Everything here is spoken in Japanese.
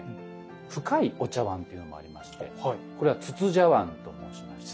深いお茶碗というのもありましてこれは筒茶碗と申しまして。